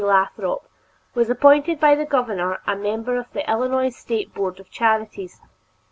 Lathrop, was appointed by the governor a member of the Illinois State Board of Charities.